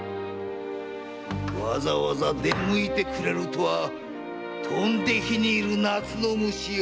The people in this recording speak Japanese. わざわざ出向いてくれるとは「飛んで火に入る夏の虫」よ！